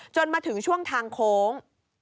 มาถึงช่วงทางโค้ง